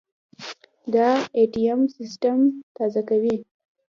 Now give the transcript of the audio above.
دا ائ ټي ټیم سیستمونه تازه کوي.